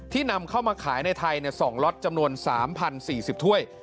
ที่นำเขามาขายในไทยเนี่ย๒ล็อตจำนวน๓๐๔๐ถ้วย